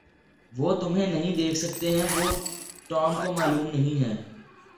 وہ تمہیں نہیں دیکھ سکتے ہیں وہ ٹام کو معلوم نہیں ہے